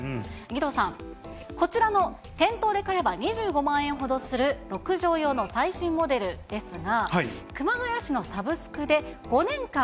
義堂さん、こちらの店頭で買えば２５万円ほどする６畳用の最新モデルですが、熊谷市のサブスクで５年間、